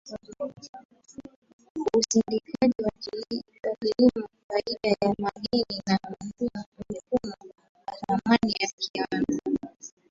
usindikaji wa kilimo faida ya madini na mifumo ya thamani ya kikanda